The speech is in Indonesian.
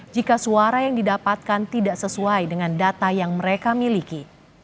jika suara yang didapatkan tidak sesuai dengan data yang mereka miliki